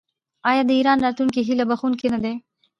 آیا د ایران راتلونکی هیله بښونکی نه دی؟